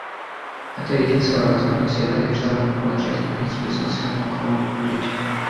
Это единственная возможность и надежда положить конец бессмысленному кровопролитию.